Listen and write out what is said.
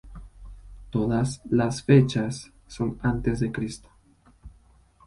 Todas las fechas son antes de Cristo.